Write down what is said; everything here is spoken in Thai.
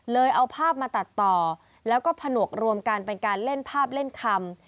เอาภาพมาตัดต่อแล้วก็ผนวกรวมกันเป็นการเล่นภาพเล่นคำ